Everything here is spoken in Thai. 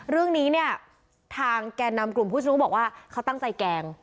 เรื่องนี้เนี่ยทางแก่นำกลุ่มผู้ชุมนุมบอกว่าเขาตั้งใจแกล้ง